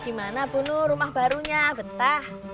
gimana bu nur rumah barunya betah